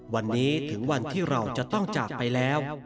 วันนี้ถึงวันที่เราจะต้องจากไปแล้ว